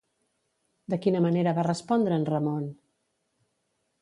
De quina manera va respondre en Ramón?